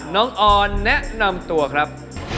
น้องออนแนะนำตัวครับ